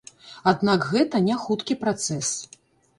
Аднак гэта няхуткі працэс.